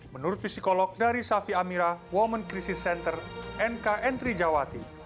menurut psikolog dari safi amira women crisis center nk entri jawa timur